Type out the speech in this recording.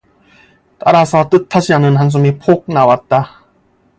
따라서 뜻하지 않은 한숨이 폭 나왔다.